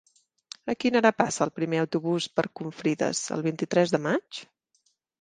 A quina hora passa el primer autobús per Confrides el vint-i-tres de maig?